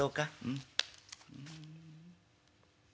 うん」。